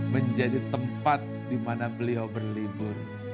menjadi tempat dimana beliau berlibur